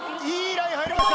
ライン入りました！